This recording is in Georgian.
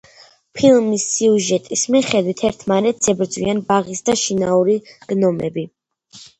ფილმის სიუჟეტის მიხედვით, ერთმანეთს ებრძვიან ბაღის და შინაური გნომები.